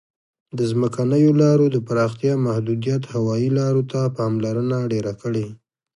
د ځمکنیو لارو د پراختیا محدودیت هوایي لارو ته پاملرنه ډېره کړې.